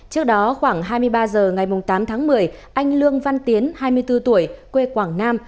trước đó khoảng hai mươi ba h ngày tám tháng một mươi anh lương văn tiến hai mươi bốn tuổi quê quảng nam